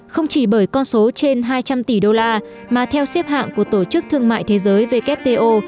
không chỉ bởi con số trên hai trăm linh tỷ đô la mà theo xếp hạng của tổ chức thương mại thế giới wto